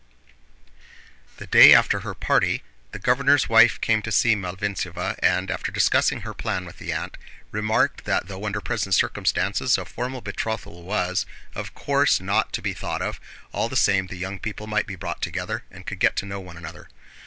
The day after her party the governor's wife came to see Malvíntseva and, after discussing her plan with the aunt, remarked that though under present circumstances a formal betrothal was, of course, not to be thought of, all the same the young people might be brought together and could get to know one another.